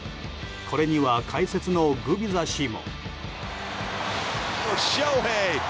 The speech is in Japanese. これには解説のグビザ氏も。